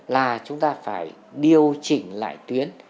là chúng ta phải điều chỉnh lại tuyến